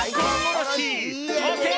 オーケー！